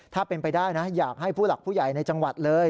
ถ้าเป็นไปได้นะอยากให้ผู้หลักผู้ใหญ่ในจังหวัดเลย